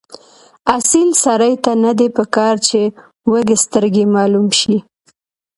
اصیل سړي ته نه دي پکار چې وږسترګی معلوم شي.